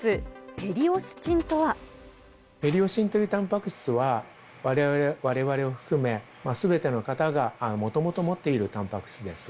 ペリオスチンというたんぱく質はわれわれを含め、すべての方がもともと持っているたんぱく質です。